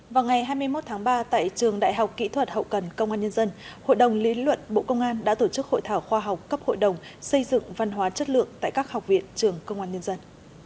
vào ngày hai mươi một tháng ba tại trường đại học kỹ thuật hậu cần công an nhân dân hội đồng lý luận bộ công an đã tổ chức hội thảo khoa học cấp hội đồng xây dựng văn hóa chất lượng tại các học viện trường công an nhân dân